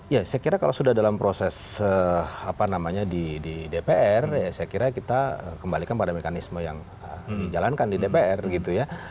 ya saya kira kalau sudah dalam proses apa namanya di dpr ya saya kira kita kembalikan pada mekanisme yang dijalankan di dpr gitu ya